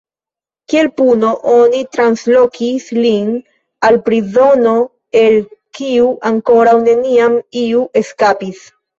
Kiel puno oni translokis lin al prizono el kiu ankoraŭ neniam iu eskapis.